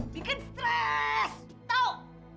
bikin stres tau